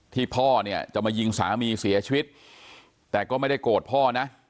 พ่อเนี่ยจะมายิงสามีเสียชีวิตแต่ก็ไม่ได้โกรธพ่อนะ